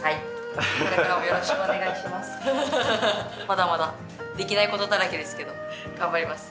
まだまだできないことだらけですけどがんばります。